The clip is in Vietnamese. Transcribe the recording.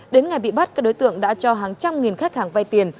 đến ngày bị bắt các đối tượng đã cho hàng trăm nghìn khách hàng vay tiền